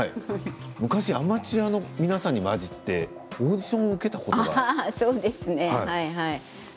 昔、アマチュアの皆さんに交じってオーディションをそうですね。